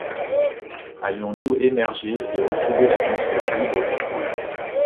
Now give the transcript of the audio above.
Allions-nous émerger et retrouver l’atmosphère libre du pôle ?